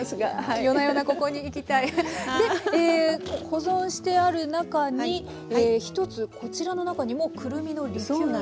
保存してある中に１つこちらの中にもくるみのリキュールが。